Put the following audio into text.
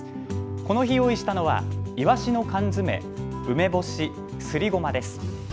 この日用意したのはいわしの缶詰、梅干し、すりごまです。